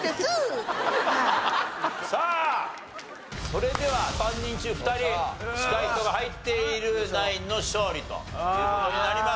さあそれでは３人中２人近い人が入っているナインの勝利という事になります。